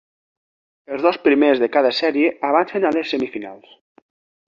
Els dos primers de cada sèrie avancen a les semifinals.